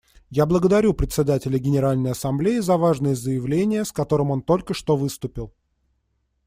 Я благодарю Председателя Генеральной Ассамблеи за важное заявление, с которым он только что выступил.